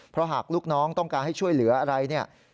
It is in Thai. เพราะหากลูกน้องต้องการให้ช่วยเหลืออะไรเนี่ย